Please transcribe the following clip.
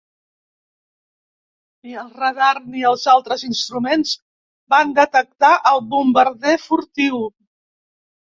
Ni el radar ni els altres instruments van detectar el bombarder furtiu.